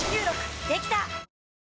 できた！